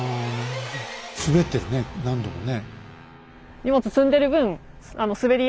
滑ってるね何度もね。